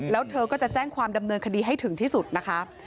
แล้วเธอก็จะแจ้งความดำเนินคดีให้ถึงที่สุดนะคะ